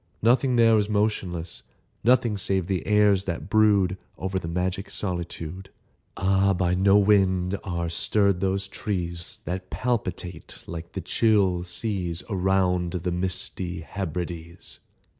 Nothing there is motionless— Nothing save the airs that brood Over the magic solitude. Ah, by no wind are stirred those trees That palpitate like the chill seas Around the misty Hebrides!